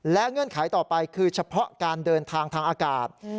และเงื่อนไขต่อไปคือเฉพาะการเดินทางทางอากาศ